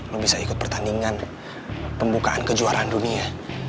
lo bisa ikut pertandingan pembukaan kejuaraan dunia